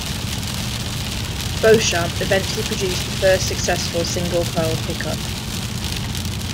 Beauchamp eventually produced the first successful single coil pickup.